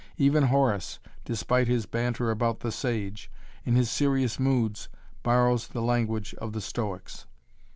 Even Horace, despite his banter about the sage, in his serious moods borrows the language of the Stoics.